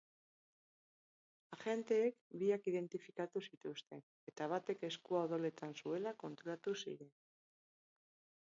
Agenteek biak identifikatu zituzten, eta batek eskua odoletan zuela konturatu ziren.